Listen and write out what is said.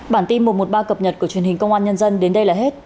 bản tin một trăm một mươi ba cập nhật của truyền hình công an nhân dân đến đây là hết